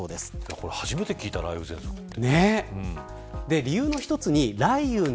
これ初めて聞いた雷雨ぜんそくって。